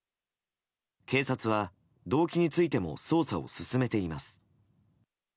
警察は動機についても捜査を進めています。